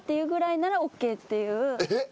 えっ？